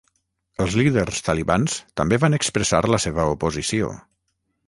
Els líders talibans també van expressar la seva oposició.